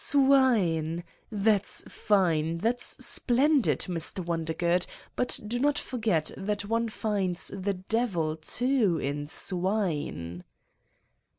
"Swine I that's fine, that's splendid, Mr. Won dergood, but do not forget that one finds the devil, too, in swine!"